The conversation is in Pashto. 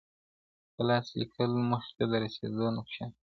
په لاس لیکل موخي ته د رسیدو نقشه ده.